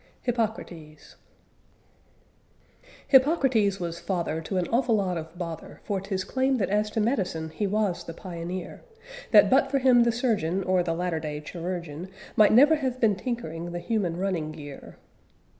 HIPPOCRATES Hippocrates was father to an awful lot of bother, for 'tis claimed that as to medicine he was the pioneer, That but for him the surgeon or the latter day chirurgeon might never have been tinkering the human running gear.